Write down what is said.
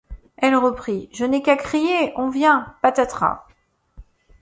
Elle reprit: — Je n’ai qu’à crier, on vient, patatras.